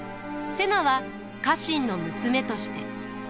瀬名は家臣の娘として。